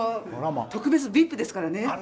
特別、ＶＩＰですからね。